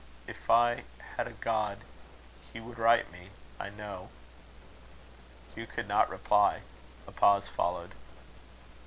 if I had a God, he would right me, I know." Hugh could not reply. A pause followed.